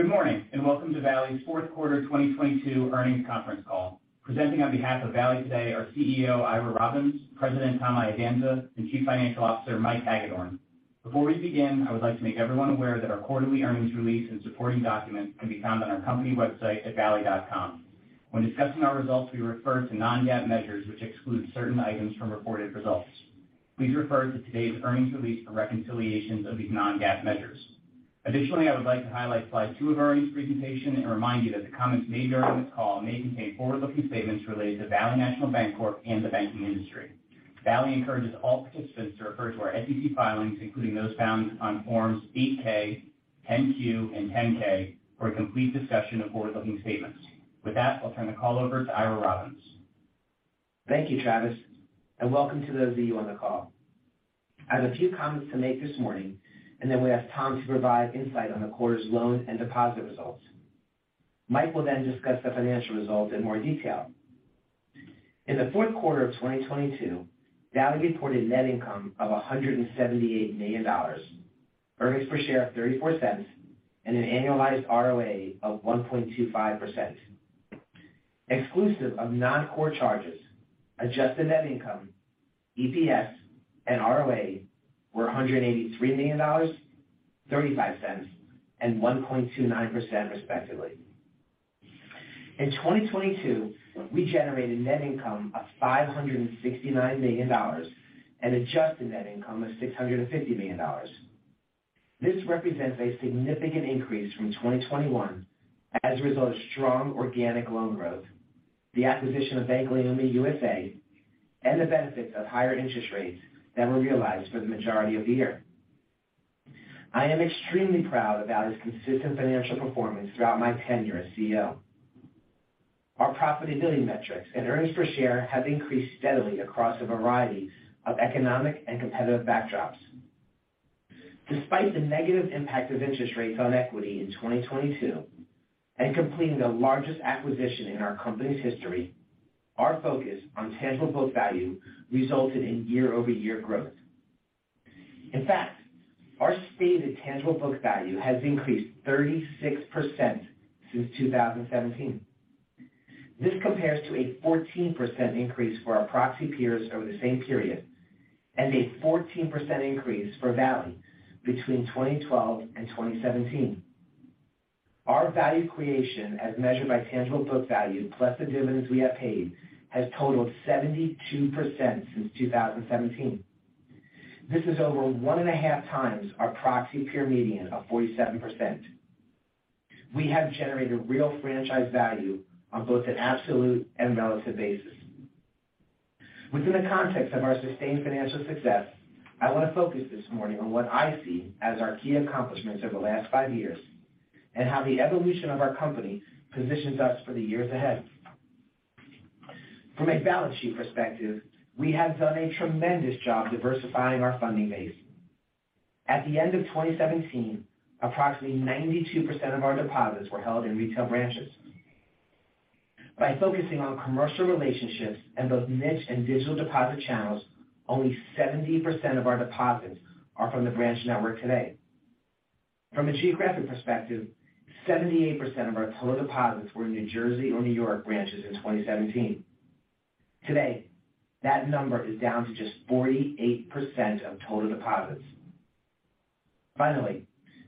Good morning, and welcome to Valley's fourth quarter 2022 earnings conference call. Presenting on behalf of Valley today are CEO Ira Robbins, President Tom Iadanza, and Chief Financial Officer Mike Hagedorn. Before we begin, I would like to make everyone aware that our quarterly earnings release and supporting documents can be found on our company website at valley.com. When discussing our results, we refer to non-GAAP measures which exclude certain items from reported results. Please refer to today's earnings release for reconciliations of these non-GAAP measures. Additionally, I would like to highlight slide two of our earnings presentation and remind you that the comments made during this call may contain forward-looking statements related to Valley National Bancorp and the banking industry. Valley encourages all participants to refer to our SEC filings, including those found on Forms 8-K, 10-Q, and 10-K for a complete discussion of forward-looking statements. With that, I'll turn the call over to Ira Robbins. Thank you, Travis, and welcome to those of you on the call. I have a few comments to make this morning, then we'll ask Tom to provide insight on the quarter's loan and deposit results. Mike will discuss the financial results in more detail. In the fourth quarter of 2022, Valley reported net income of $178 million, earnings per share of $0.34, and an annualized ROA of 1.25%. Exclusive of non-core charges, adjusted net income, EPS, and ROA were $183 million, $0.35, and 1.29% respectively. In 2022, we generated net income of $569 million and adjusted net income of $650 million. This represents a significant increase from 2021 as a result of strong organic loan growth, the acquisition of Bank Leumi USA, and the benefits of higher interest rates that were realized for the majority of the year. I am extremely proud of Valley's consistent financial performance throughout my tenure as CEO. Our profitability metrics and earnings per share have increased steadily across a variety of economic and competitive backdrops. Despite the negative impact of interest rates on equity in 2022 and completing the largest acquisition in our company's history, our focus on tangible book value resulted in year-over-year growth. In fact, our stated tangible book value has increased 36% since 2017. This compares to a 14% increase for our proxy peers over the same period and a 14% increase for Valley between 2012 and 2017. Our value creation as measured by tangible book value, plus the dividends we have paid, has totaled 72% since 2017. This is over 1.5x our proxy peer median of 47%. We have generated real franchise value on both an absolute and relative basis. Within the context of our sustained financial success, I want to focus this morning on what I see as our key accomplishments over the last five years and how the evolution of our company positions us for the years ahead. From a balance sheet perspective, we have done a tremendous job diversifying our funding base. At the end of 2017, approximately 92% of our deposits were held in retail branches. By focusing on commercial relationships and both niche and digital deposit channels, only 70% of our deposits are from the branch network today. From a geographic perspective, 78% of our total deposits were in New Jersey or New York branches in 2017. Today, that number is down to just 48% of total deposits.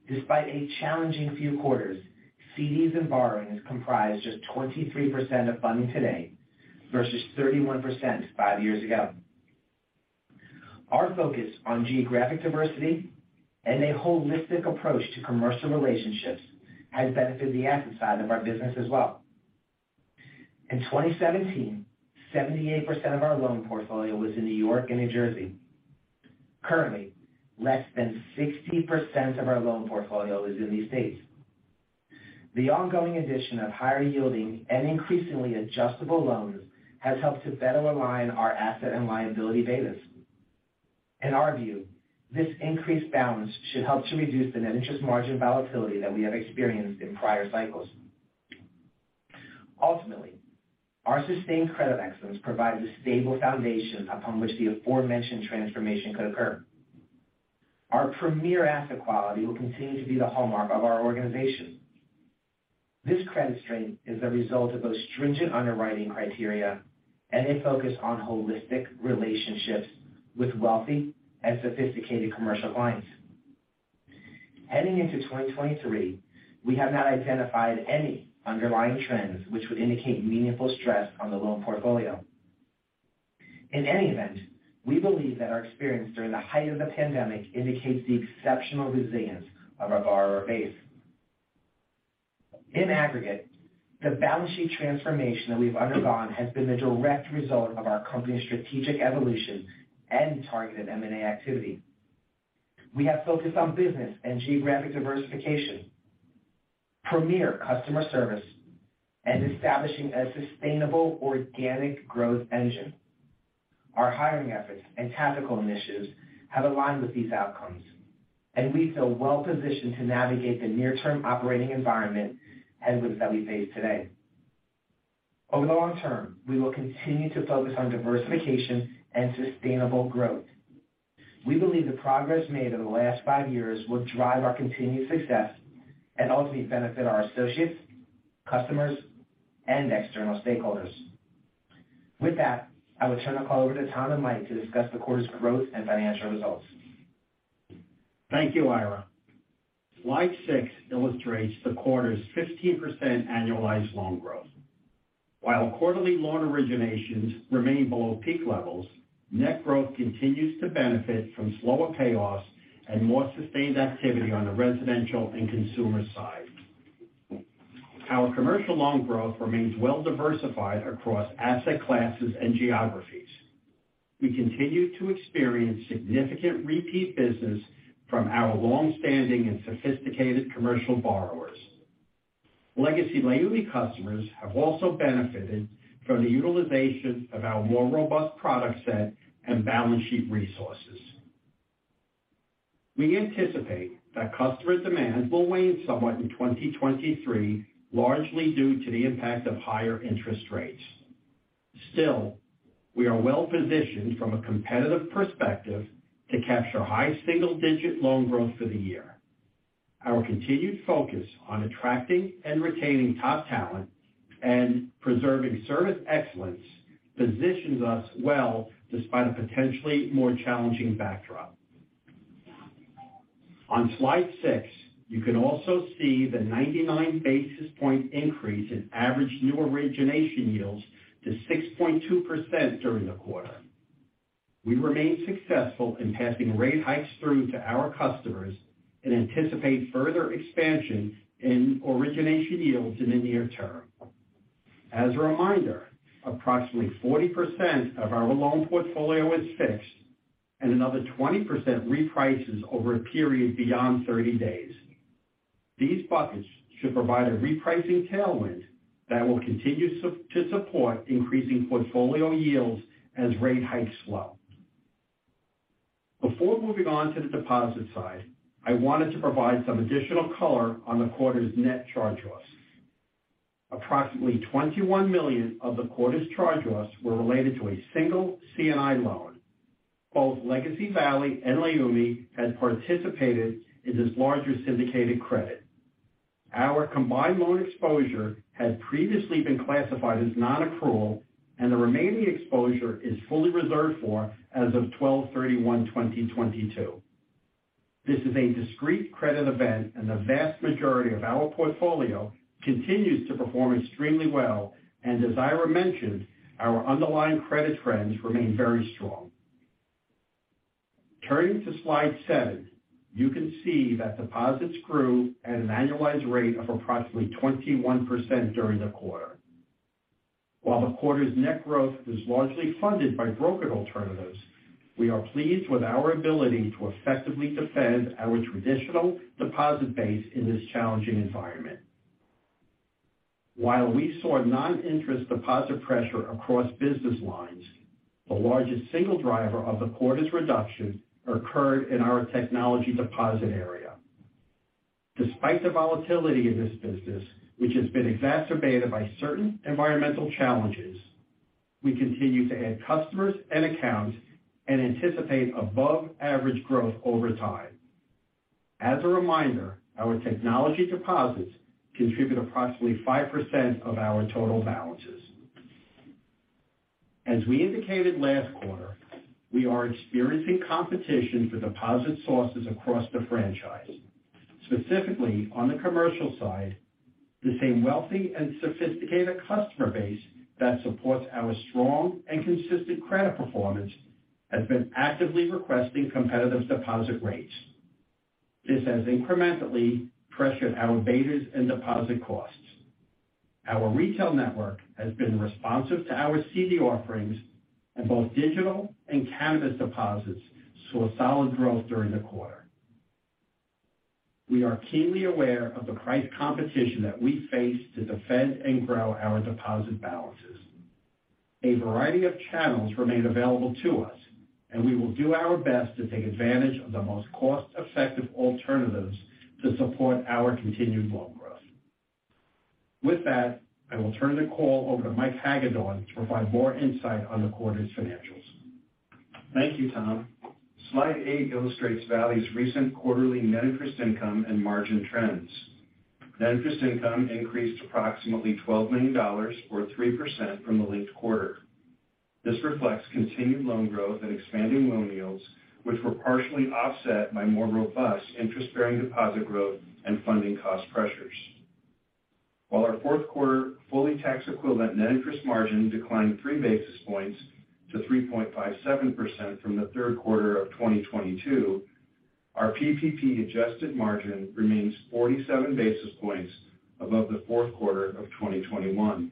Despite a challenging few quarters, CDs and borrowings comprise just 23% of funding today versus 31% five years ago. Our focus on geographic diversity and a holistic approach to commercial relationships has benefited the asset side of our business as well. In 2017, 78% of our loan portfolio was in New York and New Jersey. Currently, less than 60% of our loan portfolio is in these states. The ongoing addition of higher yielding and increasingly adjustable loans has helped to better align our asset and liability betas. In our view, this increased balance should help to reduce the net interest margin volatility that we have experienced in prior cycles. Ultimately, our sustained credit excellence provides a stable foundation upon which the aforementioned transformation could occur. Our premier asset quality will continue to be the hallmark of our organization. This credit strength is the result of both stringent underwriting criteria and a focus on holistic relationships with wealthy and sophisticated commercial clients. Heading into 2023, we have not identified any underlying trends which would indicate meaningful stress on the loan portfolio. In any event, we believe that our experience during the height of the pandemic indicates the exceptional resilience of our borrower base. In aggregate, the balance sheet transformation that we've undergone has been the direct result of our company's strategic evolution and targeted M&A activity. We have focused on business and geographic diversification, premier customer service, and establishing a sustainable organic growth engine. Our hiring efforts and tactical initiatives have aligned with these outcomes, we feel well positioned to navigate the near-term operating environment headwinds that we face today. Over the long term, we will continue to focus on diversification and sustainable growth. We believe the progress made over the last five years will drive our continued success and ultimately benefit our associates, customers, and external stakeholders. With that, I will turn the call over to Tom and Mike to discuss the quarter's growth and financial results. Thank you, Ira. Slide six illustrates the quarter's 15% annualized loan growth. While quarterly loan originations remain below peak levels, net growth continues to benefit from slower payoffs and more sustained activity on the residential and consumer side. Our commercial loan growth remains well-diversified across asset classes and geographies. We continue to experience significant repeat business from our long-standing and sophisticated commercial borrowers. Legacy Leumi customers have also benefited from the utilization of our more robust product set and balance sheet resources. We anticipate that customer demand will wane somewhat in 2023, largely due to the impact of higher interest rates. We are well-positioned from a competitive perspective to capture high single-digit loan growth for the year. Our continued focus on attracting and retaining top talent and preserving service excellence positions us well despite a potentially more challenging backdrop. On slide six, you can also see the 99 basis point increase in average new origination yields to 6.2% during the quarter. We remain successful in passing rate hikes through to our customers and anticipate further expansion in origination yields in the near term. As a reminder, approximately 40% of our loan portfolio is fixed and another 20% reprices over a period beyond 30 days. These buckets should provide a repricing tailwind that will continue to support increasing portfolio yields as rate hikes slow. Before moving on to the deposit side, I wanted to provide some additional color on the quarter's net charge loss. Approximately $21 million of the quarter's charge loss were related to a single C&I loan. Both Legacy Valley and Leumi had participated in this larger syndicated credit. Our combined loan exposure had previously been classified as non-accrual, and the remaining exposure is fully reserved for as of 12/31/2022. This is a discrete credit event and the vast majority of our portfolio continues to perform extremely well. As Ira mentioned, our underlying credit trends remain very strong. Turning to slide seven, you can see that deposits grew at an annualized rate of approximately 21% during the quarter. While the quarter's net growth was largely funded by brokered alternatives, we are pleased with our ability to effectively defend our traditional deposit base in this challenging environment. While we saw non-interest deposit pressure across business lines, the largest single driver of the quarter's reduction occurred in our technology deposit area. Despite the volatility of this business, which has been exacerbated by certain environmental challenges, we continue to add customers and accounts and anticipate above-average growth over time. As a reminder, our technology deposits contribute approximately 5% of our total balances. As we indicated last quarter, we are experiencing competition for deposit sources across the franchise. Specifically, on the commercial side, the same wealthy and sophisticated customer base that supports our strong and consistent credit performance has been actively requesting competitive deposit rates. This has incrementally pressured our betas and deposit costs. Our retail network has been responsive to our CD offerings and both digital and cannabis deposits saw a solid growth during the quarter. We are keenly aware of the price competition that we face to defend and grow our deposit balances. A variety of channels remain available to us, and we will do our best to take advantage of the most cost-effective alternatives to support our continued loan growth. With that, I will turn the call over to Michael Hagedorn to provide more insight on the quarter's financials. Thank you, Tom. Slide eight illustrates Valley's recent quarterly net interest income and margin trends. Net interest income increased approximately $12 million or 3% from the linked quarter. This reflects continued loan growth and expanding loan yields, which were partially offset by more robust interest-bearing deposit growth and funding cost pressures. While our fourth quarter fully tax-equivalent net interest margin declined 3 basis points to 3.57% from the third quarter of 2022, our PPP-adjusted margin remains 47 basis points above the fourth quarter of 2021.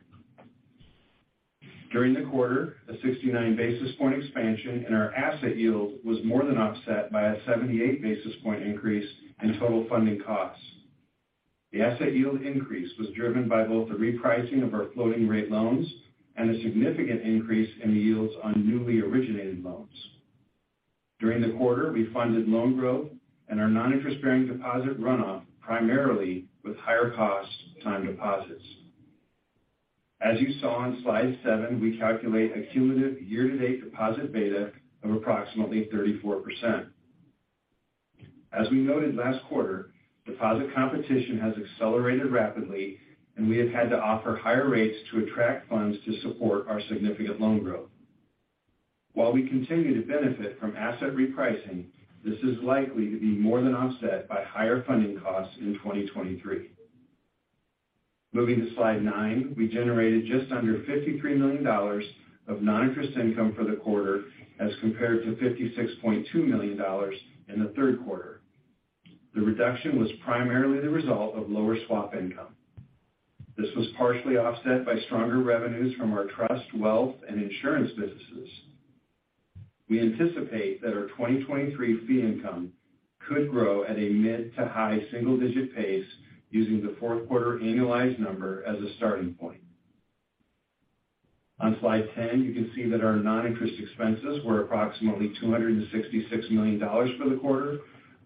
During the quarter, a 69 basis point expansion in our asset yield was more than offset by a 78 basis point increase in total funding costs. The asset yield increase was driven by both the repricing of our floating-rate loans and a significant increase in the yields on newly originated loans. During the quarter, we funded loan growth and our non-interest-bearing deposit runoff primarily with higher cost time deposits. As you saw on slide seven, we calculate a cumulative year-to-date deposit beta of approximately 34%. As we noted last quarter, deposit competition has accelerated rapidly, and we have had to offer higher rates to attract funds to support our significant loan growth. While we continue to benefit from asset repricing, this is likely to be more than offset by higher funding costs in 2023. Moving to slide nine. We generated just under $53 million of non-interest income for the quarter, as compared to $56.2 million in the third quarter. The reduction was primarily the result of lower swap income. This was partially offset by stronger revenues from our trust, wealth, and insurance businesses. We anticipate that our 2023 fee income could grow at a mid to high single-digit pace using the fourth quarter annualized number as a starting point. On slide 10, you can see that our non-interest expenses were approximately $266 million for the quarter,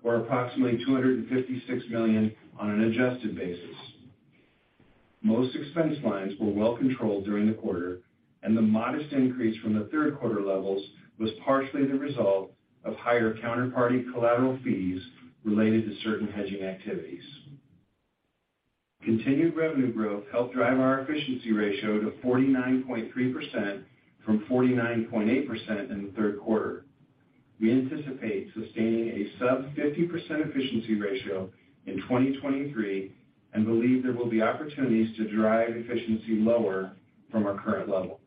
or approximately $256 million on an adjusted basis. Most expense lines were well controlled during the quarter, and the modest increase from the third quarter levels was partially the result of higher counterparty collateral fees related to certain hedging activities. Continued revenue growth helped drive our efficiency ratio to 49.3% from 49.8% in the third quarter. We anticipate sustaining a sub 50% efficiency ratio in 2023 and believe there will be opportunities to drive efficiency lower from our current level.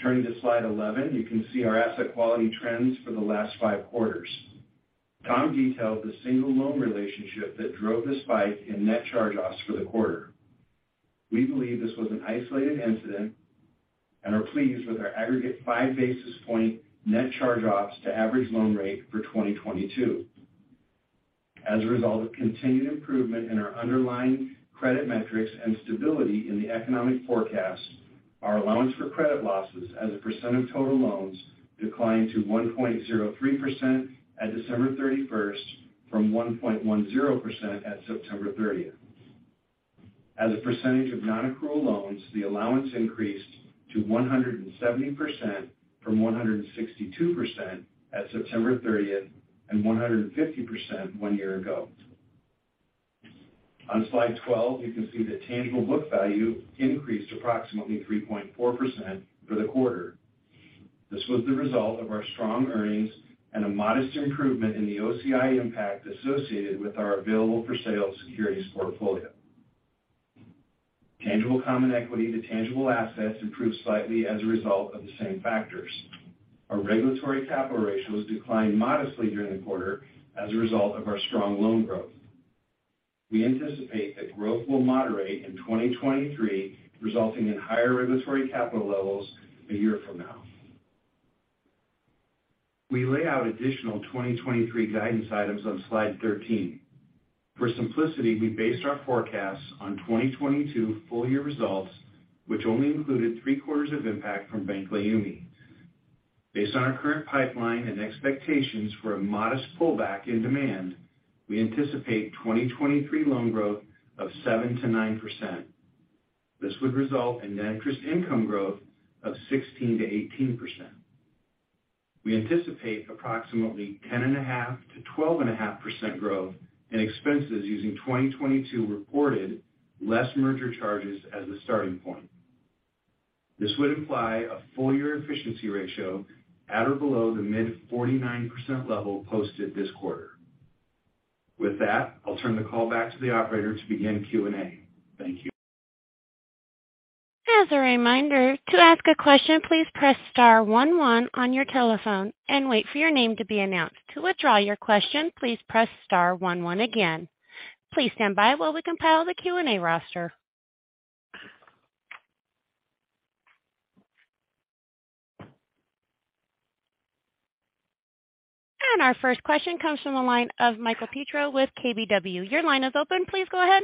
Turning to slide 11, you can see our asset quality trends for the last five quarters. Tom detailed the single loan relationship that drove the spike in net charge-offs for the quarter. We believe this was an isolated incident and are pleased with our aggregate 5 basis point net charge-offs to average loan rate for 2022. As a result of continued improvement in our underlying credit metrics and stability in the economic forecast, our allowance for credit losses as a percent of total loans declined to 1.03% at December 31st from 1.10% at September 30th. As a percentage of non-accrual loans, the allowance increased to 170% from 162% at September 30 and 150% one year ago. On slide 12, you can see that tangible book value increased approximately 3.4% for the quarter. This was the result of our strong earnings and a modest improvement in the OCI impact associated with our available-for-sale securities portfolio. Tangible common equity to tangible assets improved slightly as a result of the same factors. Our regulatory capital ratios declined modestly during the quarter as a result of our strong loan growth. We anticipate that growth will moderate in 2023, resulting in higher regulatory capital levels a year from now. We lay out additional 2023 guidance items on slide 13. For simplicity, we based our forecasts on 2022 full year results, which only included three-quarters of impact from Bank Leumi. Based on our current pipeline and expectations for a modest pullback in demand, we anticipate 2023 loan growth of 7%-9%. This would result in net interest income growth of 16%-18%. We anticipate approximately 10.5%-12.5% growth in expenses using 2022 reported less merger charges as the starting point. This would imply a full year efficiency ratio at or below the mid 49% level posted this quarter. With that, I'll turn the call back to the operator to begin Q&A. Thank you. As a reminder, to ask a question, please press star one one on your telephone and wait for your name to be announced. To withdraw your question, please press star one one again. Please stand by while we compile the Q&A roster. Our first question comes from the line of Michael Perito with KBW. Your line is open. Please go ahead.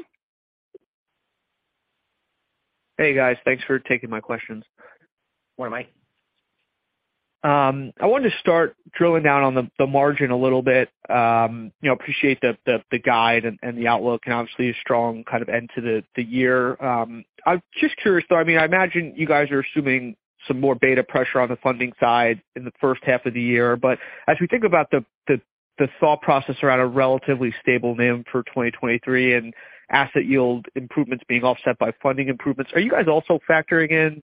Hey, guys. Thanks for taking my questions. Good morning, Mike. I wanted to start drilling down on the margin a little bit. you know, appreciate the, the guide and the outlook and obviously a strong kind of end to the year. I'm just curious though, I mean, I imagine you guys are assuming some more beta pressure on the funding side in the first half of the year. As we think about the, the thought process around a relatively stable NIM for 2023 and asset yield improvements being offset by funding improvements, are you guys also factoring in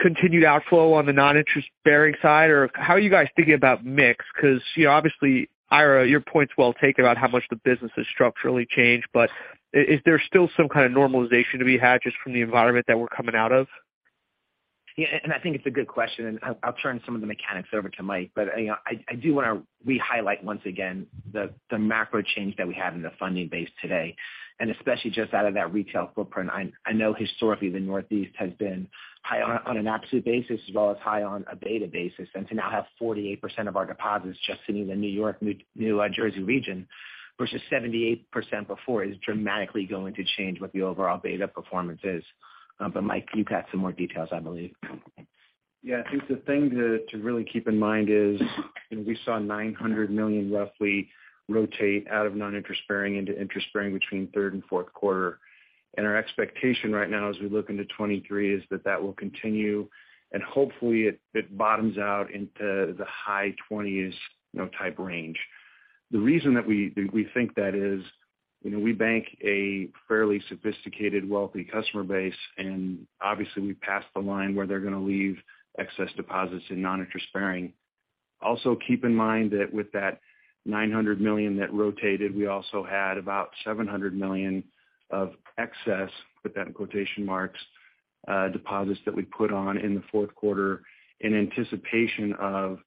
continued outflow on the non-interest-bearing side? How are you guys thinking about mix? you know, obviously, Ira, your point's well taken about how much the business has structurally changed, but is there still some kind of normalization to be had just from the environment that we're coming out of? I think it's a good question, and I'll turn some of the mechanics over to Mike. You know, I do wanna re-highlight once again the macro change that we have in the funding base today, and especially just out of that retail footprint. I know historically the Northeast has been high on an absolute basis as well as high on a beta basis. To now have 48% of our deposits just sitting in the New York, Jersey region versus 78% before is dramatically going to change what the overall beta performance is. Mike, you've had some more details, I believe. Yeah. I think the thing to really keep in mind is, you know, we saw $900 million roughly rotate out of non-interest bearing into interest bearing between third and fourth quarter. Our expectation right now as we look into 2023 is that that will continue and hopefully it bottoms out into the high 20s, you know, type range. The reason that we think that is, you know, we bank a fairly sophisticated wealthy customer base, and obviously we've passed the line where they're gonna leave excess deposits in non-interest bearing. Also keep in mind that with that $900 million that rotated, we also had about $700 million of excess, put that in quotation marks, deposits that we put on in the fourth quarter in anticipation of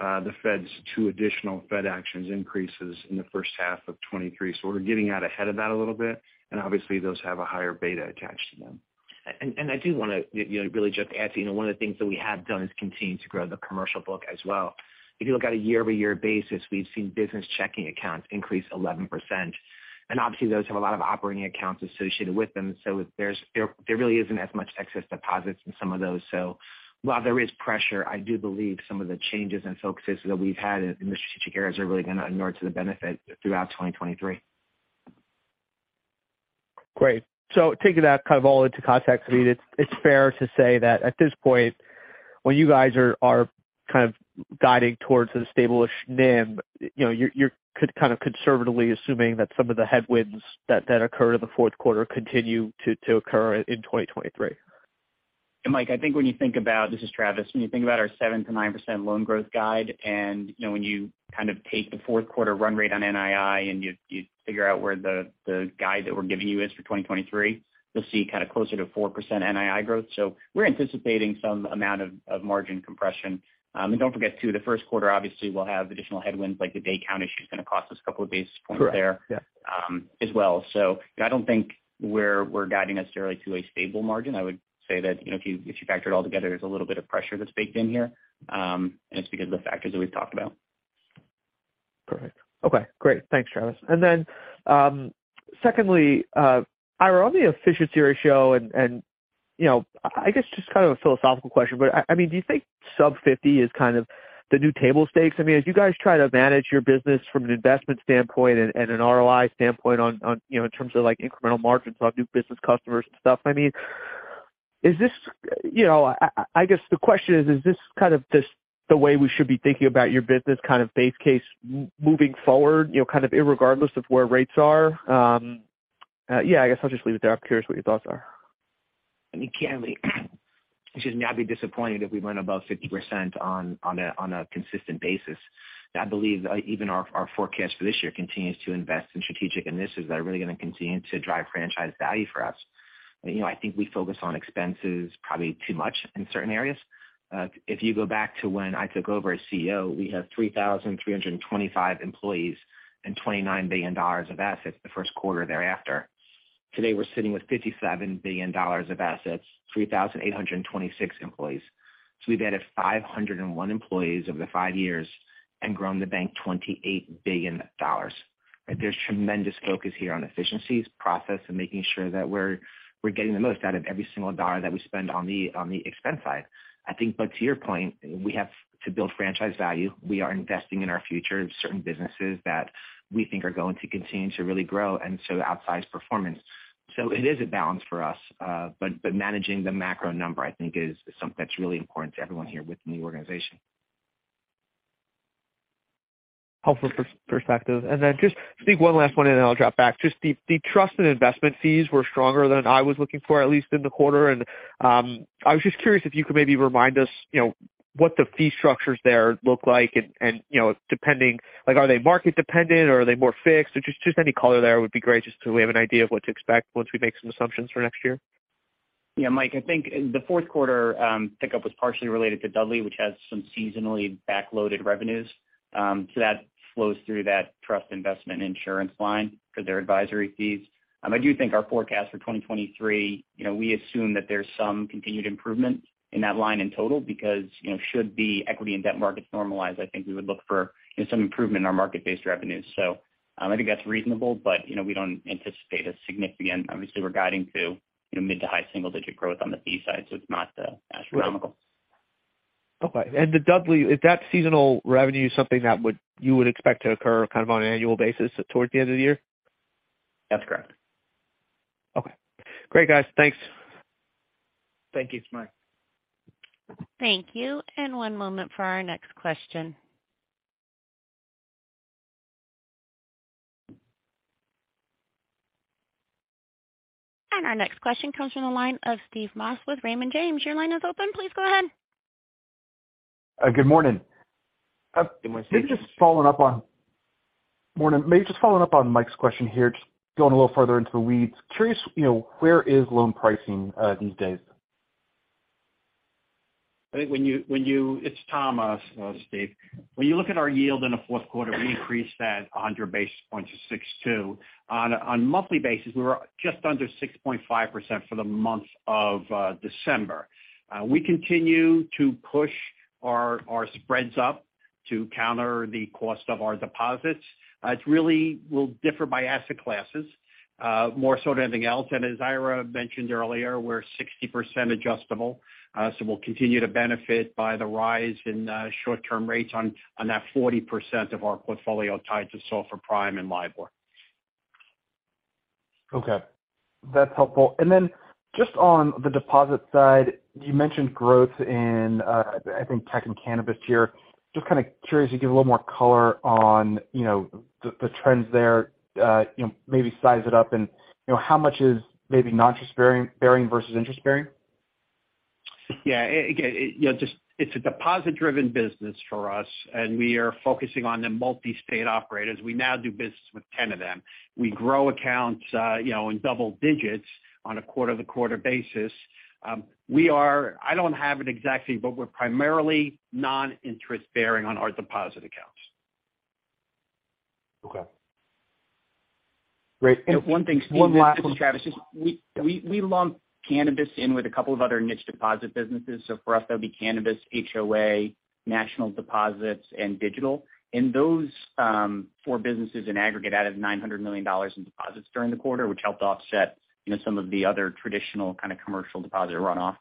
the Fed's two additional Fed actions increases in the first half of 2023. We're getting out ahead of that a little bit, and obviously those have a higher beta attached to them. I do wanna, you know, really just add to, you know, one of the things that we have done is continue to grow the commercial book as well. If you look at a year-over-year basis, we've seen business checking accounts increase 11%. Obviously those have a lot of operating accounts associated with them. There really isn't as much excess deposits in some of those. While there is pressure, I do believe some of the changes and focuses that we've had in the strategic areas are really gonna inure to the benefit throughout 2023. Great. Taking that kind of all into context, I mean, it's fair to say that at this point, when you guys are kind of guiding towards the stable-ish NIM, you know, you're kind of conservatively assuming that some of the headwinds that occurred in the fourth quarter continue to occur in 2023. Mike, I think when you think about. This is Travis. When you think about our 7%-9% loan growth guide and, you know, when you kind of take the fourth quarter run rate on NII and you figure out where the guide that we're giving you is for 2023, you'll see kind of closer to 4% NII growth. We're anticipating some amount of margin compression. Don't forget too, the first quarter obviously will have additional headwinds, like the day count issue is gonna cost us a couple of basis points there. Correct. Yeah. As well. I don't think we're guiding necessarily to a stable margin. I would say that, you know, if you, if you factor it all together, there's a little bit of pressure that's baked in here, and it's because of the factors that we've talked about. Perfect. Okay, great. Thanks, Travis. Secondly, Ira, on the efficiency ratio and, you know, I guess just kind of a philosophical question, but I mean, do you think sub 50 is kind of the new table stakes? I mean, as you guys try to manage your business from an investment standpoint and an ROI standpoint on, you know, in terms of like incremental margins on new business customers and stuff, I mean, You know, I guess the question is this kind of this the way we should be thinking about your business kind of base case moving forward, you know, kind of irregardless of where rates are? Yeah, I guess I'll just leave it there. I'm curious what your thoughts are. I mean, clearly we should not be disappointed if we run above 50% on a, on a consistent basis. I believe even our forecast for this year continues to invest in strategic initiatives that are really gonna continue to drive franchise value for us. You know, I think we focus on expenses probably too much in certain areas. If you go back to when I took over as CEO, we had 3,325 employees and $29 billion of assets the first quarter thereafter. Today, we're sitting with $57 billion of assets, 3,826 employees. We've added 501 employees over the five years and grown the bank $28 billion. There's tremendous focus here on efficiencies, process, and making sure that we're getting the most out of every single dollar that we spend on the expense side. I think to your point, we have to build franchise value. We are investing in our future in certain businesses that we think are going to continue to really grow, and so outsized performance. It is a balance for us. Managing the macro number I think is something that's really important to everyone here within the organization. Helpful perspective. Just think one last one, and then I'll drop back. Just the trust and investment fees were stronger than I was looking for, at least in the quarter. I was just curious if you could maybe remind us, you know, what the fee structures there look like and, you know, depending like, are they market dependent or are they more fixed? Just any color there would be great just so we have an idea of what to expect once we make some assumptions for next year. Mike, I think the fourth quarter pickup was partially related to Dudley, which has some seasonally backloaded revenues. That flows through that trust investment insurance line for their advisory fees. I do think our forecast for 2023, you know, we assume that there's some continued improvement in that line in total because, you know, should the equity and debt markets normalize, I think we would look for some improvement in our market-based revenues. I think that's reasonable, but, you know, we don't anticipate. Obviously, we're guiding to, you know, mid to high single-digit growth on the fee side, so it's not astronomical. Okay. The Dudley, is that seasonal revenue something that you would expect to occur kind of on an annual basis towards the end of the year? That's correct. Okay. Great, guys. Thanks. Thank you, Mike. Thank you. One moment for our next question. Our next question comes from the line of Steve Moss with Raymond James. Your line is open. Please go ahead. Good morning. Good morning, Steve. Maybe just following up on... Morning. Maybe just following up on Mike's question here, just going a little further into the weeds. Curious, you know, where is loan pricing these days? It's Tom Iadanza, Steve Moss. When you look at our yield in the fourth quarter, we increased that 100 basis points to 6.2%. On a monthly basis, we were just under 6.5% for the month of December. We continue to push our spreads up to counter the cost of our deposits. It's really will differ by asset classes, more so than anything else. As Ira Robbins mentioned earlier, we're 60% adjustable, so we'll continue to benefit by the rise in short-term rates on that 40% of our portfolio tied to SOFR prime and LIBOR. Okay. That's helpful. Just on the deposit side, you mentioned growth in, I think tech and cannabis here. Just kind of curious, you give a little more color on, you know, the trends there, you know, maybe size it up and, you know, how much is maybe non-interest bearing versus interest bearing? Yeah. Again, you know, just it's a deposit driven business for us. We are focusing on the multi-state operators. We now do business with 10 of them. We grow accounts, you know, in double digits on a quarter to quarter basis. I don't have it exactly, but we're primarily non-interest bearing on our deposit accounts. Okay. Great. One thing, Steve. One last one. This is Travis. Just we lump cannabis in with a couple of other niche deposit businesses. For us, that'll be cannabis, HOA, national deposits and digital. Those four businesses in aggregate added $900 million in deposits during the quarter, which helped offset, you know, some of the other traditional kind of commercial deposit runoff.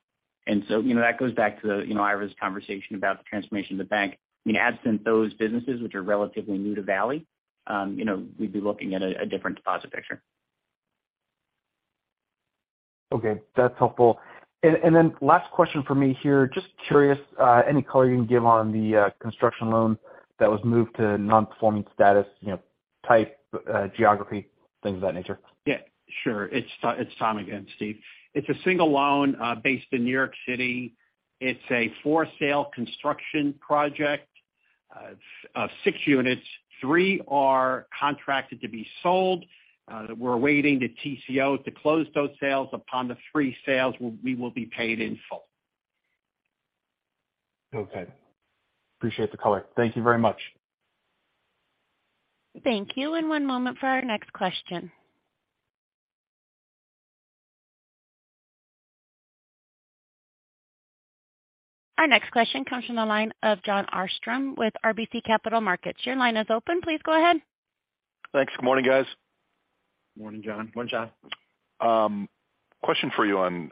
You know, that goes back to, you know, Ira's conversation about the transformation of the bank. I mean, absent those businesses which are relatively new to Valley, you know, we'd be looking at a different deposit picture. Okay, that's helpful. Then last question for me here, just curious, any color you can give on the construction loan that was moved to non-performing status, you know, type, geography, things of that nature? Yeah, sure. It's Tom again, Steve. It's a single loan, based in New York City. It's a for sale construction project. Six units, three are contracted to be sold, that we're awaiting the TCO to close those sales. Upon the three sales, we will be paid in full. Okay. Appreciate the color. Thank you very much. Thank you. One moment for our next question. Our next question comes from the line of Jon Arfstrom with RBC Capital Markets. Your line is open. Please go ahead. Thanks. Good morning, guys. Morning, Jon. Morning, Jon. Question for you on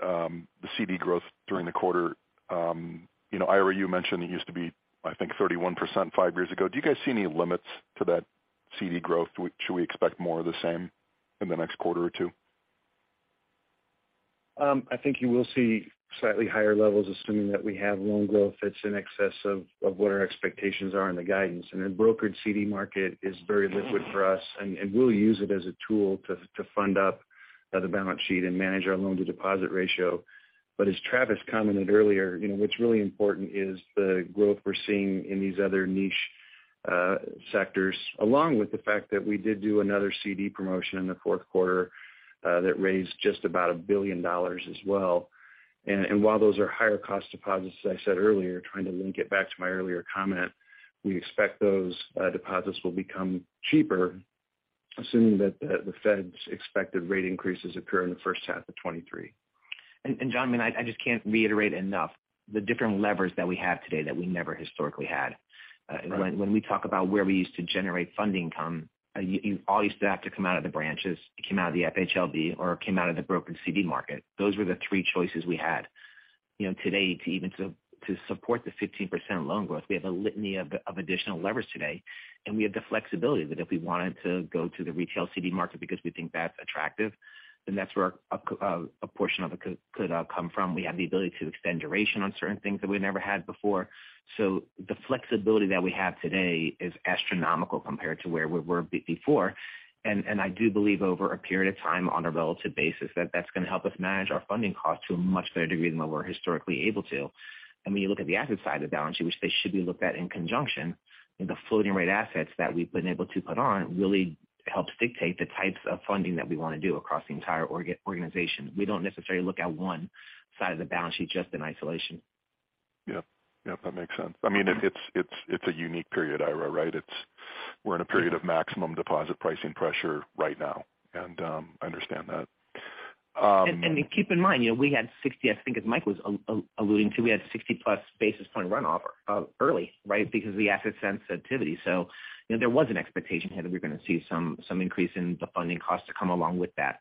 the CD growth during the quarter. You know, Ira, you mentioned it used to be, I think, 31% five years ago. Do you guys see any limits to that CD growth? Should we expect more of the same in the next quarter or two? I think you will see slightly higher levels, assuming that we have loan growth that's in excess of what our expectations are in the guidance. The brokered CD market is very liquid for us, and we'll use it as a tool to fund up the balance sheet and manage our loan to deposit ratio. As Travis commented earlier, you know, what's really important is the growth we're seeing in these other niche sectors, along with the fact that we did do another CD promotion in the fourth quarter that raised just about $1 billion as well. While those are higher cost deposits, as I said earlier, trying to link it back to my earlier comment, we expect those deposits will become cheaper assuming that the Fed's expected rate increases occur in the first half of 2023. John, I mean, I just can't reiterate enough the different levers that we have today that we never historically had. When we talk about where we used to generate funding income, you all used to have to come out of the branches. It came out of the FHLB or it came out of the brokered CD market. Those were the three choices we had. You know, today, to support the 15% loan growth, we have a litany of additional levers today, and we have the flexibility that if we wanted to go to the retail CD market because we think that's attractive, then that's where a portion of it could come from. We have the ability to extend duration on certain things that we never had before. The flexibility that we have today is astronomical compared to where we were before. I do believe over a period of time on a relative basis that that's going to help us manage our funding costs to a much better degree than what we're historically able to. When you look at the asset side of the balance sheet, which they should be looked at in conjunction, and the floating rate assets that we've been able to put on really helps dictate the types of funding that we want to do across the entire organization. We don't necessarily look at one side of the balance sheet just in isolation. Yeah. Yep, that makes sense. I mean, it's a unique period, Ira, right? We're in a period of maximum deposit pricing pressure right now, and, I understand that. Keep in mind, you know, I think as Mike was alluding to, we had 60+ basis point runoff early, right? Because of the asset sensitivity. You know, there was an expectation here that we're going to see some increase in the funding costs to come along with that.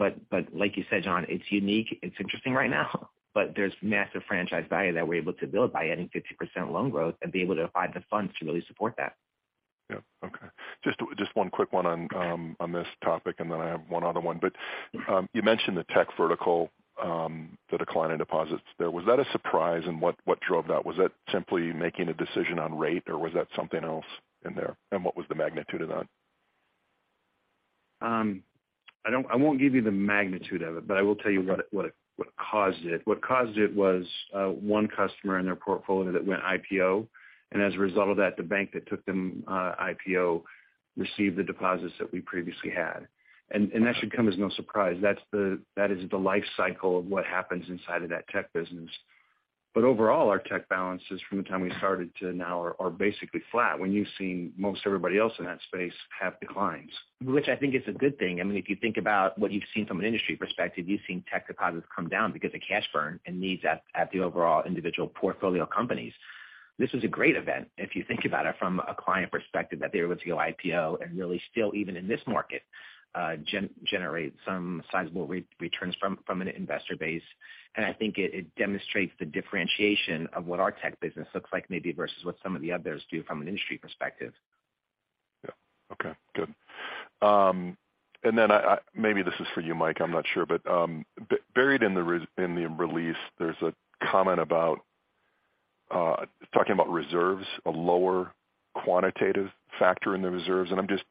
Like you said, Jon, it's unique. It's interesting right now, but there's massive franchise value that we're able to build by adding 50% loan growth and be able to find the funds to really support that. Yeah. Okay. Just one quick one on this topic, and then I have one other one. You mentioned the tech vertical, the decline in deposits there. Was that a surprise? What drove that? Was that simply making a decision on rate, or was that something else in there? What was the magnitude of that? I won't give you the magnitude of it, but I will tell you what caused it. What caused it was one customer in their portfolio that went IPO. As a result of that, the bank that took them IPO received the deposits that we previously had. That should come as no surprise. That is the life cycle of what happens inside of that tech business. Overall, our tech balances from the time we started to now are basically flat when you've seen most everybody else in that space have declines. Which I think is a good thing. I mean, if you think about what you've seen from an industry perspective, you've seen tech deposits come down because of cash burn and needs at the overall individual portfolio companies. This is a great event if you think about it from a client perspective, that they were able to go IPO and really still, even in this market, generate some sizable returns from an investor base. I think it demonstrates the differentiation of what our tech business looks like maybe versus what some of the others do from an industry perspective. Yeah. Okay, good. I maybe this is for you, Mike, I'm not sure. Buried in the release, there's a comment about talking about reserves, a lower quantitative factor in the reserves, and I'm just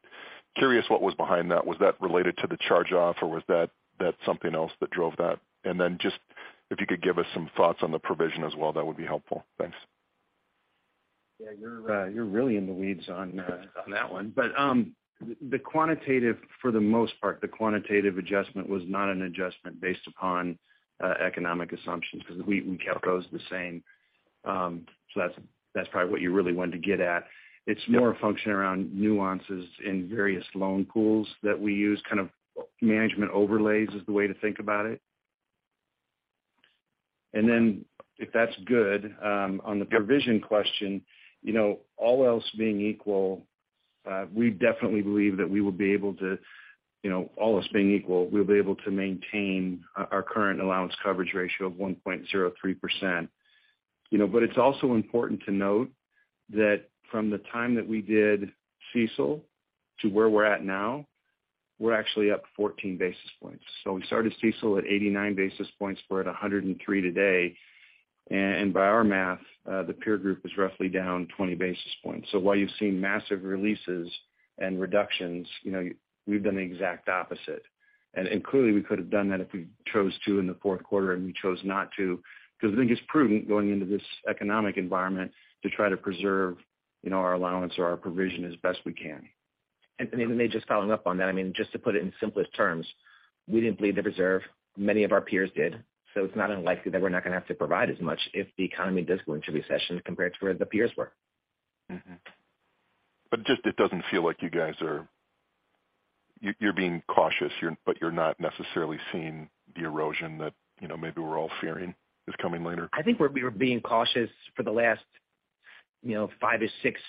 curious what was behind that. Was that related to the charge-off, or was that something else that drove that? Just if you could give us some thoughts on the provision as well, that would be helpful. Thanks. Yeah, you're really in the weeds on that one. The quantitative, for the most part, the quantitative adjustment was not an adjustment based upon economic assumptions because we kept those the same. That's probably what you really wanted to get at. Yeah. It's more a function around nuances in various loan pools that we use, kind of management overlays is the way to think about it. If that's good, on the provision question, you know, all else being equal, we definitely believe that we will be able to, you know, all else being equal, we'll be able to maintain our current allowance coverage ratio of 1.03%. It's also important to note that from the time that we did CECL to where we're at now, we're actually up 14 basis points. We started CECL at 89 basis points. We're at 103 today. By our math, the peer group is roughly down 20 basis points. While you've seen massive releases and reductions, you know, we've done the exact opposite. Clearly we could have done that if we chose to in the fourth quarter, and we chose not to because I think it's prudent going into this economic environment to try to preserve, you know, our allowance or our provision as best we can. Maybe just following up on that, I mean, just to put it in simplest terms, we didn't bleed the reserve. Many of our peers did. It's not unlikely that we're not gonna have to provide as much if the economy does go into recession compared to where the peers were. Mm-hmm. Just it doesn't feel like you guys are... You're being cautious, but you're not necessarily seeing the erosion that, you know, maybe we're all fearing is coming later. I think we were being cautious for the last, you know, five to six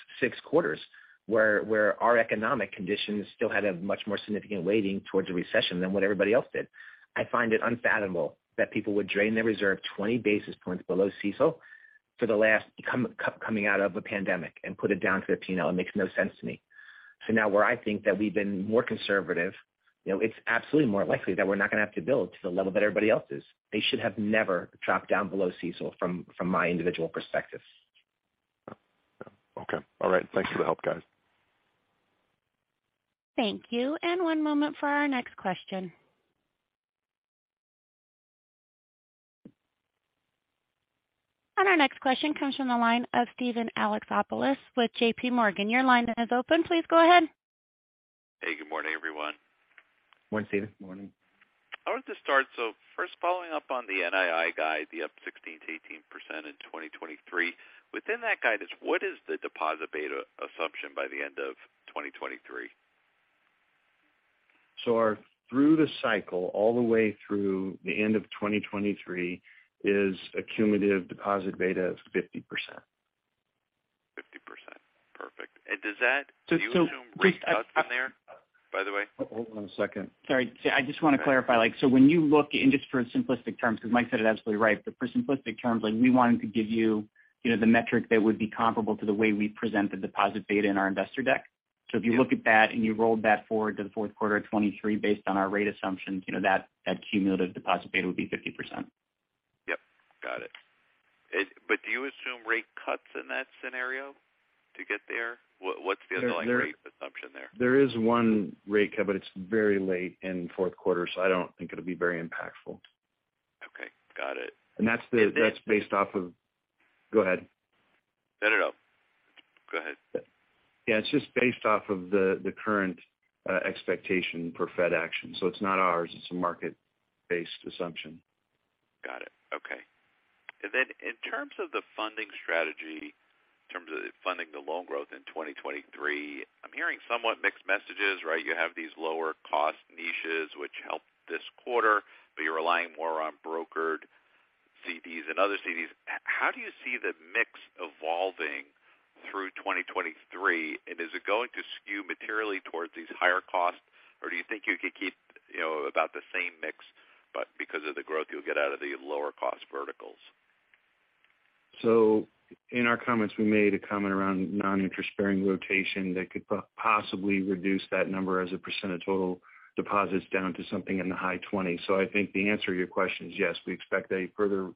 quarters, where our economic conditions still had a much more significant weighting towards a recession than what everybody else did. I find it unfathomable that people would drain their reserve 20 basis points below CECL for the last coming out of a pandemic and put it down to 15. It makes no sense to me. Now where I think that we've been more conservative, you know, it's absolutely more likely that we're not gonna have to build to the level that everybody else is. They should have never dropped down below CECL from my individual perspective. Okay. All right. Thanks for the help, guys. Thank you. One moment for our next question. Our next question comes from the line of Steven Alexopoulos with JPMorgan. Your line is open. Please go ahead. Hey, good morning, everyone. Morning, Steven. Morning. I want to start, so first following up on the NII guide, the up 16%-18% in 2023. Within that guidance, what is the deposit beta assumption by the end of 2023? Our through the cycle all the way through the end of 2023 is a cumulative deposit beta of 50%. 50%. Perfect. does that- So, so- Do you assume rate cuts in there, by the way? Hold on a second. Sorry. I just want to clarify, like, when you look and just for simplistic terms, because Mike said it absolutely right. For simplistic terms, like we wanted to give you know, the metric that would be comparable to the way we present the deposit beta in our investor deck. Yeah. If you look at that and you rolled that forward to the fourth quarter of 2023 based on our rate assumptions, you know, that cumulative deposit beta would be 50%. Yep. Got it. Do you assume rate cuts in that scenario to get there? What's the underlying rate assumption there? There is one rate cut, but it's very late in fourth quarter, so I don't think it'll be very impactful. Okay. Got it. that's. And then- That's based off of... Go ahead. No, no. Go ahead. Yeah, it's just based off of the current expectation for Fed action. It's not ours, it's a market-based assumption. Got it. Okay. In terms of the funding strategy, in terms of funding the loan growth in 2023, I'm hearing somewhat mixed messages, right? You have these lower cost niches which helped this quarter, but you're relying more on brokered CDs and other CDs. How do you see the mix evolving through 2023? Is it going to skew materially towards these higher costs, or do you think you could keep, you know, about the same mix, but because of the growth you'll get out of the lower cost verticals? In our comments, we made a comment around non-interest-bearing rotation that could possibly reduce that number as a percentage of total deposits down to something in the high 20. I think the answer to your question is yes, we expect a further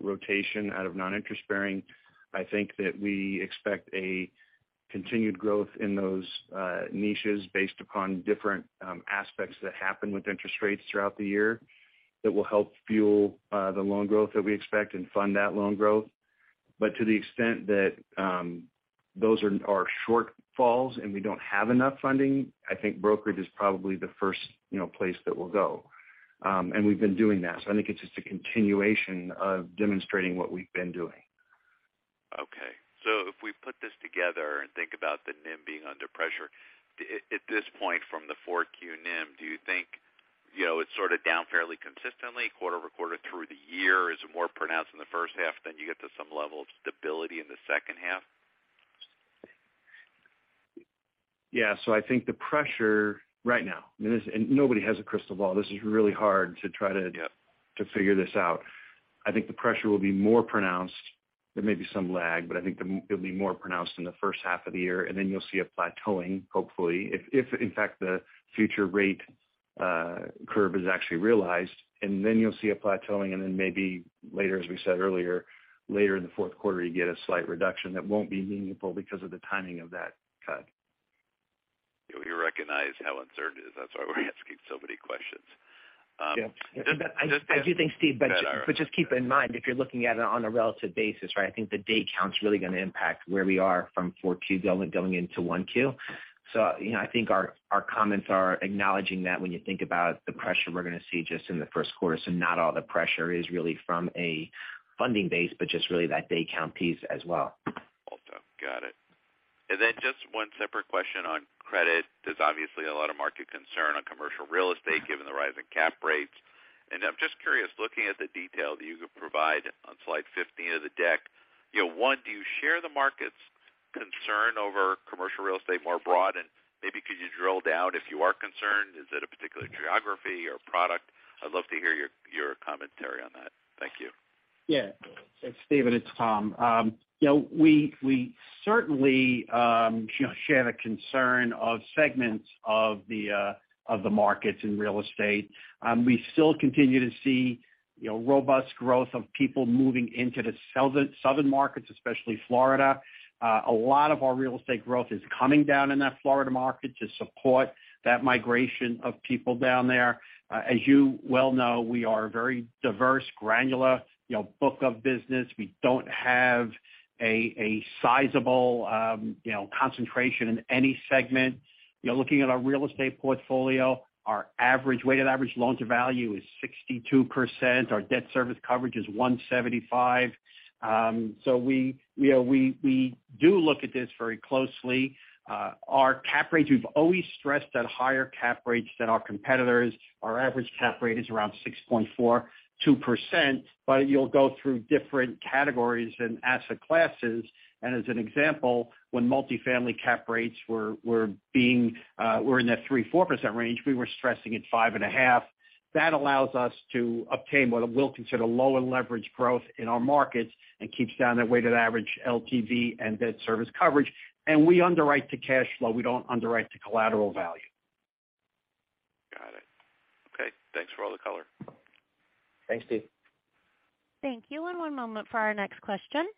rotation out of non-interest-bearing. I think that we expect a continued growth in those niches based upon different aspects that happen with interest rates throughout the year that will help fuel the loan growth that we expect and fund that loan growth. To the extent that those are shortfalls and we don't have enough funding, I think brokerage is probably the first, you know, place that we'll go. And we've been doing that. I think it's just a continuation of demonstrating what we've been doing. If we put this together and think about the NIM being under pressure, at this point from the 4Q NIM, do you think, you know, it's sort of down fairly consistently quarter-over-quarter through the year? Is it more pronounced in the first half, then you get to some level of stability in the second half? Yeah. I think the pressure right now, and nobody has a crystal ball. This is really hard to try. Yeah to figure this out. I think the pressure will be more pronounced. There may be some lag, but I think it'll be more pronounced in the first half of the year, and then you'll see a plateauing, hopefully. If in fact the future rate curve is actually realized, and then you'll see a plateauing and then maybe later, as we said earlier, later in the fourth quarter, you get a slight reduction that won't be meaningful because of the timing of that cut. Yeah, we recognize how uncertain it is. That's why we're asking so many questions. Yeah. Just. I do think, Steve, but just keep in mind, if you're looking at it on a relative basis, right? I think the day count's really gonna impact where we are from 4Q going into 1Q. You know, I think our comments are acknowledging that when you think about the pressure we're gonna see just in the first quarter. Not all the pressure is really from a funding base but just really that day count piece as well. Got it. Just one separate question on credit. There's obviously a lot of market concern on commercial real estate given the rise in cap rates. I'm just curious, looking at the detail that you could provide on slide 15 of the deck. You know, one, do you share the market's concern over commercial real estate more broad? Maybe could you drill down if you are concerned, is it a particular geography or product? I'd love to hear your commentary on that. Thank you. Yeah. Steve, it's Tom. You know, we certainly, you know, share the concern of segments of the markets in real estate. We still continue to see, you know, robust growth of people moving into the southern markets, especially Florida. A lot of our real estate growth is coming down in that Florida market to support that migration of people down there. As you well know, we are a very diverse, granular, you know, book of business. We don't have a sizable, you know, concentration in any segment. You know, looking at our real estate portfolio, our weighted average loan to value is 62%. Our debt service coverage is 1.75. We, you know, we do look at this very closely. Our cap rates, we've always stressed at higher cap rates than our competitors. Our average cap rate is around 6.42%, but you'll go through different categories and asset classes. As an example, when multifamily cap rates were in that 3%-4% range, we were stressing at 5.5%. That allows us to obtain what it will consider lower leverage growth in our markets and keeps down that weighted average LTV and debt service coverage. We underwrite to cash flow. We don't underwrite to collateral value. Got it. Okay. Thanks for all the color. Thanks, Steve. Thank you. One moment for our next question.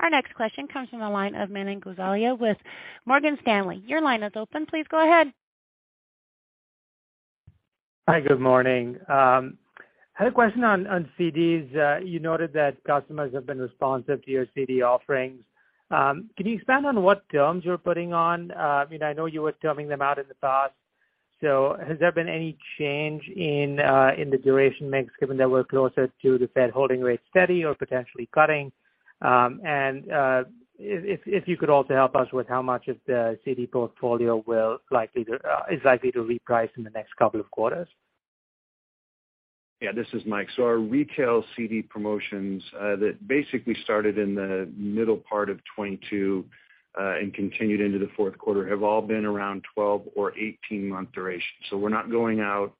Our next question comes from the line of Manan Gosalia with Morgan Stanley. Your line is open. Please go ahead. Hi, good morning. Had a question on CDs. You noted that customers have been responsive to your CD offerings. Can you expand on what terms you're putting on? I mean, I know you were terming them out in the past. Has there been any change in the duration mix given that we're closer to the Fed holding rate steady or potentially cutting? If you could also help us with how much of the CD portfolio is likely to reprice in the next couple of quarters. This is Mike. Our retail CD promotions, that basically started in the middle part of 2022, and continued into the fourth quarter, have all been around 12 or 18-month duration. We're not going out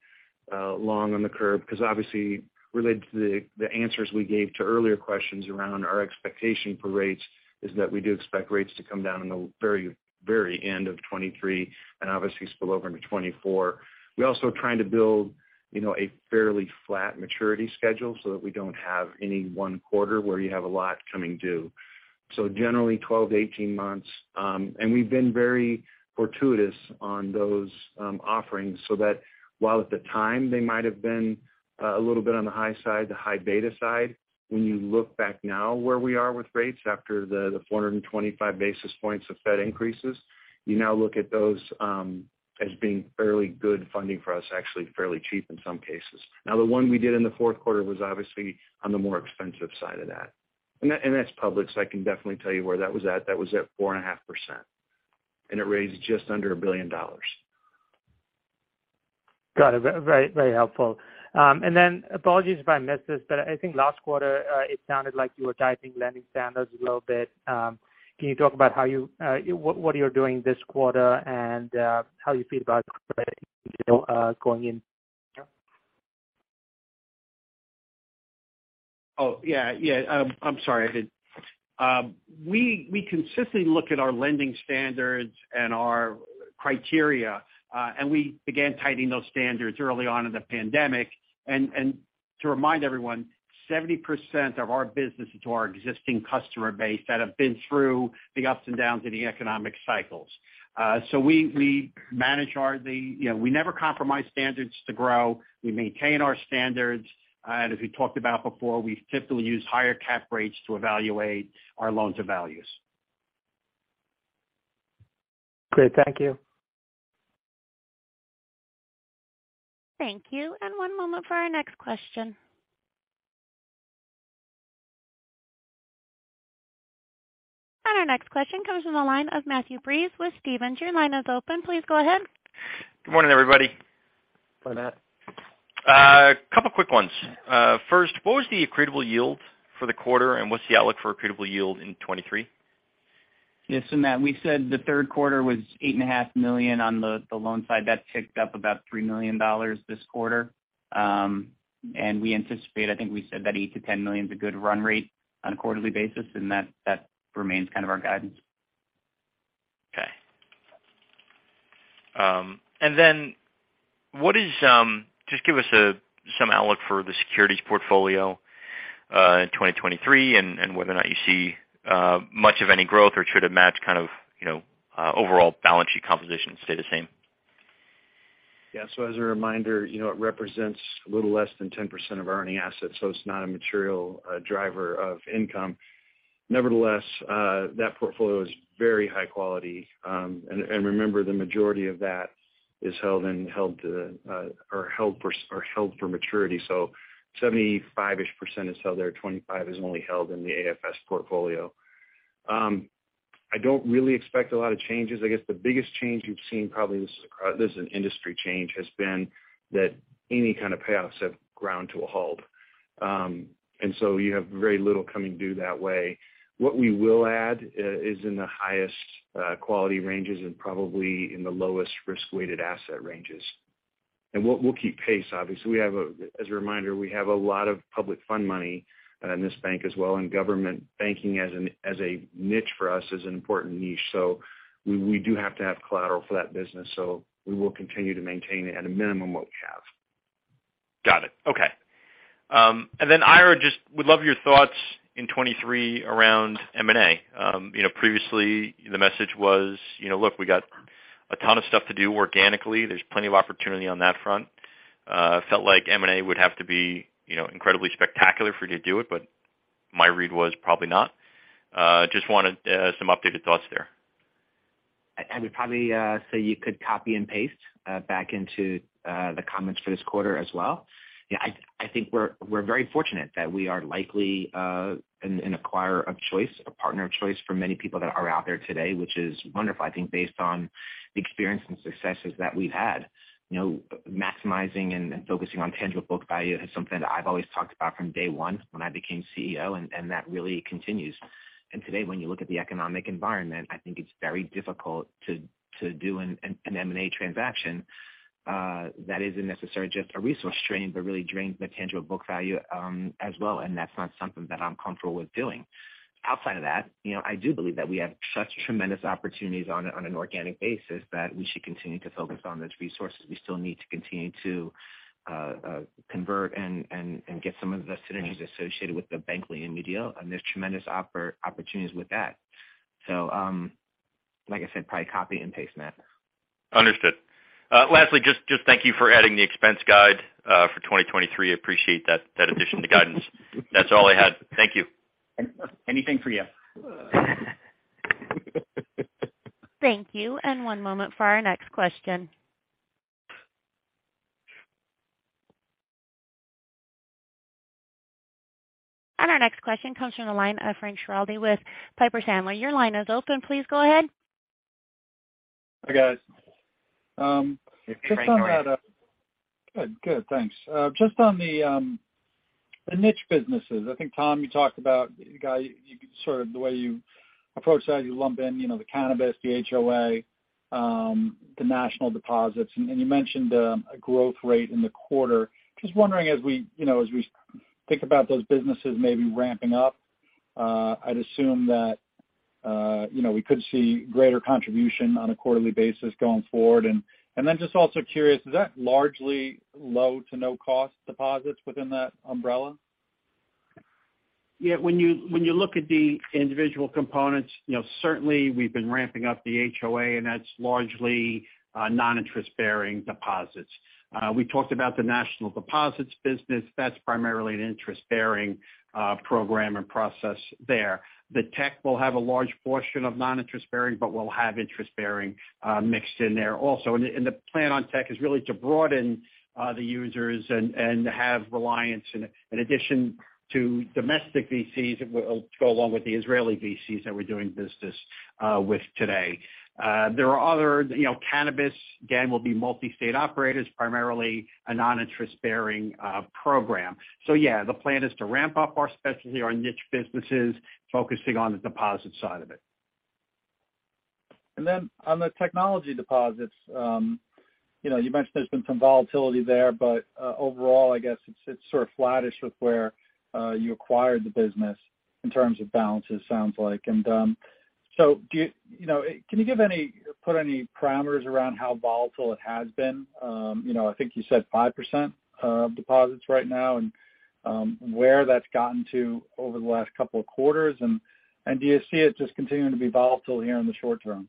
long on the curve because obviously related to the answers we gave to earlier questions around our expectation for rates is that we do expect rates to come down in the very, very end of 2023 and obviously spill over into 2024. We're also trying to build, you know, a fairly flat maturity schedule so that we don't have any one quarter where you have a lot coming due. Generally 12 to 18 months. And we've been very fortuitous on those offerings so that while at the time they might have been a little bit on the high side, the high beta side. When you look back now where we are with rates after the 425 basis points of Fed increases, you now look at those as being fairly good funding for us, actually fairly cheap in some cases. The one we did in the fourth quarter was obviously on the more expensive side of that. That, and that's public, so I can definitely tell you where that was at. That was at 4.5%, and it raised just under $1 billion. Got it. Very, very helpful. Apologies if I missed this, but I think last quarter, it sounded like you were tightening lending standards a little bit. Can you talk about what you're doing this quarter and how you feel about credit, you know, going in? Oh, yeah. Yeah. I'm sorry. I did. We consistently look at our lending standards and our criteria, and we began tightening those standards early on in the pandemic. To remind everyone, 70% of our business is our existing customer base that have been through the ups and downs of the economic cycles. So we manage our, you know, we never compromise standards to grow. We maintain our standards. As we talked about before, we typically use higher cap rates to evaluate our loans and values. Great. Thank you. Thank you. One moment for our next question. Our next question comes from the line of Matthew Breese with Stephens. Your line is open. Please go ahead. Good morning, everybody. Hi, Matt. A couple quick ones. First, what was the accretable yield for the quarter, and what's the outlook for accretable yield in 23? Yes. Matt, we said the third quarter was eight and a half million on the loan side. That ticked up about $3 million this quarter. We anticipate I think we said that $8 million-$10 million is a good run rate on a quarterly basis, that remains kind of our guidance. Okay. Just give us some outlook for the securities portfolio, in 2023, and whether or not you see much of any growth or should it match kind of, you know, overall balance sheet composition stay the same? Yeah. As a reminder, you know, it represents a little less than 10% of our earning assets, so it's not a material driver of income. Nevertheless, that portfolio is very high quality. And remember, the majority of that is held in, or held for maturity. 75%-ish is held there. 25% is only held in the AFS portfolio. I don't really expect a lot of changes. I guess the biggest change you've seen probably this is an industry change, has been that any kind of payoffs have ground to a halt. You have very little coming due that way. What we will add is in the highest quality ranges and probably in the lowest risk-weighted asset ranges. We'll keep pace, obviously. As a reminder, we have a lot of public fund money, in this bank as well, and government banking as a niche for us is an important niche. We do have to have collateral for that business. We will continue to maintain it at a minimum what we have. Got it. Okay. Ira, just would love your thoughts in 2023 around M&A. You know, previously the message was, you know, "Look, we got a ton of stuff to do organically. There's plenty of opportunity on that front." Felt like M&A would have to be, you know, incredibly spectacular for you to do it, but my read was probably not. Just wanted some updated thoughts there. I would probably say you could copy and paste back into the comments for this quarter as well. I think we're very fortunate that we are likely an acquirer of choice, a partner of choice for many people that are out there today, which is wonderful, I think, based on the experience and successes that we've had. You know, maximizing and focusing on tangible book value is something that I've always talked about from day one when I became CEO, and that really continues. Today, when you look at the economic environment, I think it's very difficult to do an M&A transaction that isn't necessarily just a resource drain, but really drains the tangible book value as well, and that's not something that I'm comfortable with doing. Outside of that, you know, I do believe that we have such tremendous opportunities on an organic basis that we should continue to focus on those resources. We still need to continue to convert and get some of the synergies associated with Bank Leumi USA, and there's tremendous opportunities with that. Like I said, probably copy and paste, Matt. Understood. Lastly, just thank you for adding the expense guide, for 2023. Appreciate that addition to guidance. That's all I had. Thank you. Anything for you. Thank you. One moment for our next question. Our next question comes from the line of Frank Schiraldi with Piper Sandler. Your line is open. Please go ahead. Hi, guys. Hey, Frank. How are you? Good. Good. Thanks. Just on the niche businesses. I think, Tom, you talked about you sort of the way you approach that, you lump in, you know, the cannabis, the HOA, the national deposits. You mentioned a growth rate in the quarter. Just wondering as we, you know, as we think about those businesses maybe ramping up, I'd assume that, you know, we could see greater contribution on a quarterly basis going forward. Then just also curious, is that largely low to no cost deposits within that umbrella? When you look at the individual components, you know, certainly we've been ramping up the HOA, that's largely non-interest-bearing deposits. We talked about the national deposits business. That's primarily an interest-bearing program and process there. The tech will have a large portion of non-interest-bearing, but we'll have interest-bearing mixed in there also. The plan on tech is really to broaden the users and to have reliance in addition to domestic VCs, it'll go along with the Israeli VCs that we're doing business with today. There are other... You know, cannabis, again, will be multi-state operators, primarily a non-interest-bearing program. The plan is to ramp up our specialty, our niche businesses, focusing on the deposit side of it. Then on the technology deposits, you know, you mentioned there's been some volatility there, but overall, I guess it's sort of flattish with where you acquired the business in terms of balances, sounds like. So you know, can you give any or put any parameters around how volatile it has been? You know, I think you said 5% deposits right now, and where that's gotten to over the last couple of quarters. Do you see it just continuing to be volatile here in the short term?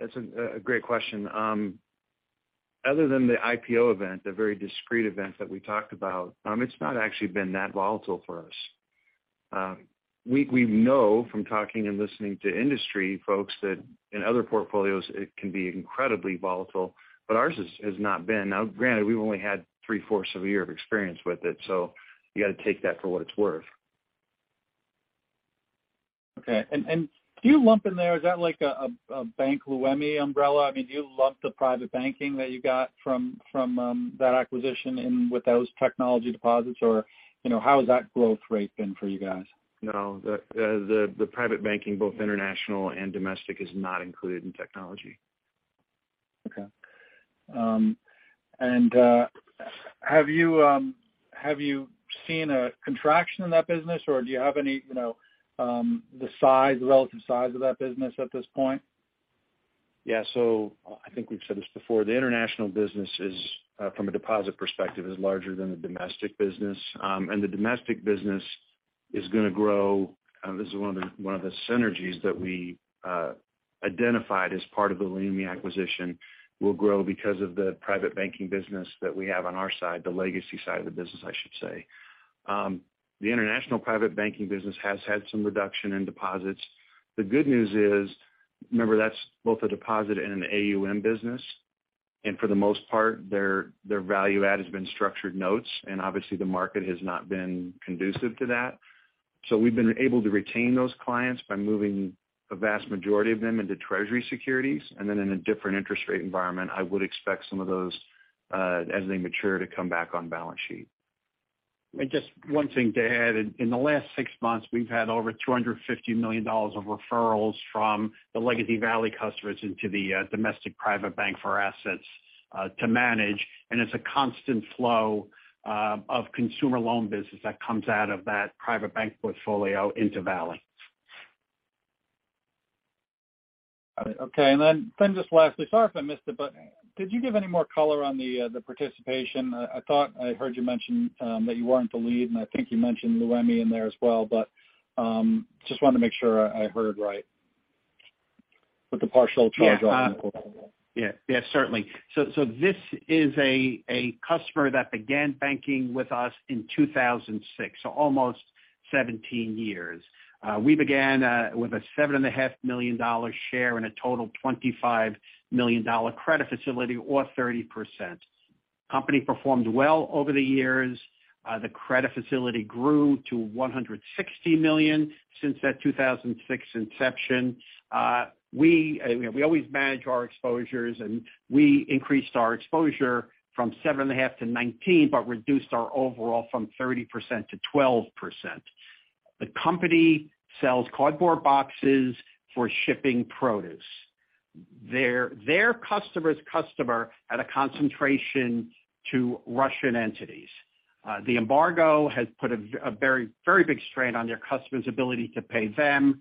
That's a great question. Other than the IPO event, the very discrete event that we talked about, it's not actually been that volatile for us. We know from talking and listening to industry folks that in other portfolios it can be incredibly volatile, but ours has not been. Granted, we've only had three-fourths of a year of experience with it, so you gotta take that for what it's worth. Okay. Do you lump in there, is that like a Bank Leumi umbrella? I mean, do you lump the private banking that you got from that acquisition in with those technology deposits or, you know, how has that growth rate been for you guys? No. The private banking, both international and domestic, is not included in technology. Okay. Have you seen a contraction in that business or do you have any, you know, the size, the relative size of that business at this point? Yeah. I think we've said this before. The international business is from a deposit perspective, is larger than the domestic business. The domestic business is gonna grow. This is one of the synergies that we identified as part of the Leumi acquisition will grow because of the private banking business that we have on our side, the legacy side of the business, I should say. The international private banking business has had some reduction in deposits. The good news is, remember, that's both a deposit and an AUM business. For the most part, their value add has been structured notes and obviously the market has not been conducive to that. We've been able to retain those clients by moving a vast majority of them into Treasury securities. In a different interest rate environment, I would expect some of those, as they mature, to come back on balance sheet. Just one thing to add. In the last six months, we've had over $250 million of referrals from the Legacy Valley customers into the domestic private bank for assets to manage. It's a constant flow of consumer loan business that comes out of that private bank portfolio into Valley. Okay. Then just lastly, sorry if I missed it, but did you give any more color on the participation? I thought I heard you mention that you weren't the lead and I think you mentioned Leumi in there as well, but just wanted to make sure I heard right. With the partial charge off? Yeah. Yeah, certainly. This is a customer that began banking with us in 2006, almost 17 years. We began with a $7.5 million share in a total $25 million credit facility or 30%. Company performed well over the years. The credit facility grew to $160 million since that 2006 inception. We, you know, we always manage our exposures and we increased our exposure from 7.5% to 19% but reduced our overall from 30% to 12%. The company sells cardboard boxes for shipping produce. Their customer's customer had a concentration to Russian entities. The embargo has put a very big strain on their customer's ability to pay them.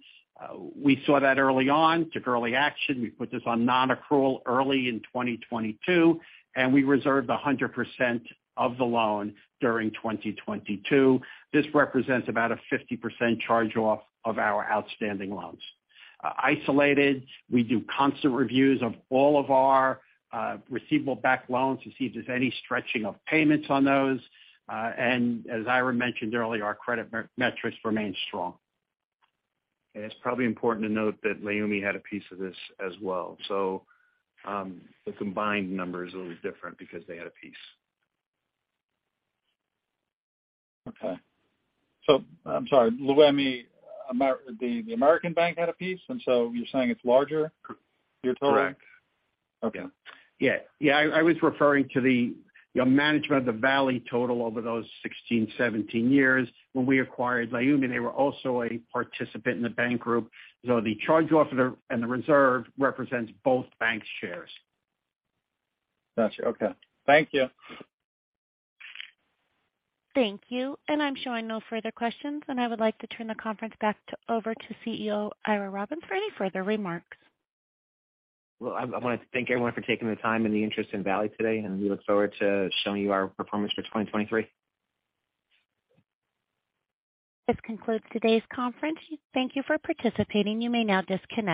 We saw that early on, took early action. We put this on non-accrual early in 2022, and we reserved 100% of the loan during 2022. This represents about a 50% charge-off of our outstanding loans. Isolated, we do constant reviews of all of our receivable-backed loans to see if there's any stretching of payments on those. As Ira mentioned earlier, our credit metrics remain strong. It's probably important to note that Leumi had a piece of this as well. The combined number is a little different because they had a piece. Okay. I'm sorry. Leumi, the Bank Leumi USA had a piece and so you're saying it's larger, your total? Correct. Okay. Yeah. Yeah, I was referring to the, you know, management of the Valley total over those 16, 17 years. When we acquired Leumi, they were also a participant in the bank group. The charge-off and the reserve represents both banks' shares. Gotcha. Okay. Thank you. Thank you. I'm showing no further questions and I would like to turn the conference over to CEO Ira Robbins for any further remarks. Well, I want to thank everyone for taking the time and the interest in Valley today, and we look forward to showing you our performance for 2023. This concludes today's conference. Thank you for participating. You may now disconnect.